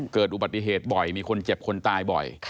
เกิดอุบัติเหตุบ่อยมีคนเจ็บคนตายบ่อย